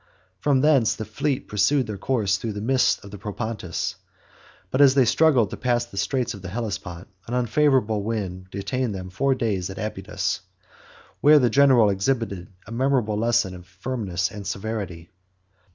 From thence the fleet pursued their course through the midst of the Propontis; but as they struggled to pass the Straits of the Hellespont, an unfavorable wind detained them four days at Abydus, where the general exhibited a memorable lesson of firmness and severity.